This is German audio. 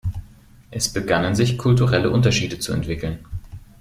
Es begannen sich kulturelle Unterschiede zu entwickeln.